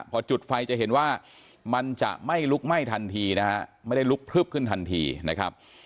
พอจุดไฟจะเห็นว่ามันจะไม่ลุกไหม้ทันทีนะครับ